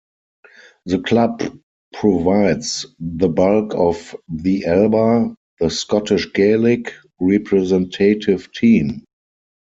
The club provides the bulk of the Alba, the Scottish Gaelic representative team.